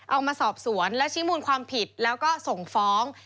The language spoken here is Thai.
เอามาสอบสวนและชี้มูลความผิดแล้วก็ส่งฟ้อง